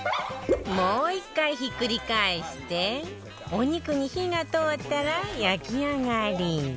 もう１回ひっくり返してお肉に火が通ったら焼き上がり